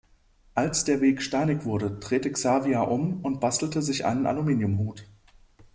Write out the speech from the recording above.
Als der Weg steinig wurde, drehte Xavier um und bastelte sich einen Aluminiumhut.